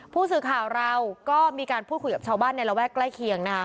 ผู้สื่อข่าวเราก็มีการพูดคุยกับชาวบ้านในระแวกใกล้เคียงนะคะ